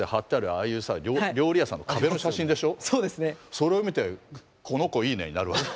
それを見て「この子いいね」になるわけ。